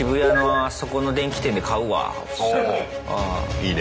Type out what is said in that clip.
いいね。